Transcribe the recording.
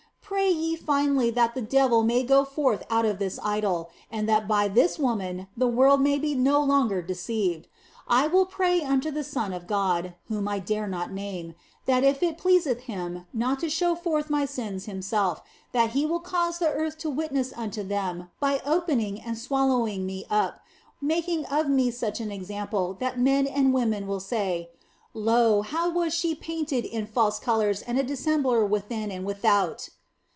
Pray ye finally that the devil may go forth out of this idol, and that by this woman the world may be no longer deceived. And I will pray unto the Son of God (whom I dare not name) that if it pleaseth Him not to show forth my sins Himself, that He will cause the earth to witness unto them by opening and swallowing me up, making of me such an example that men and women will say :" Lo, how was she painted in false colours and a dissembler within and without